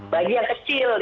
bagi yang kecil deh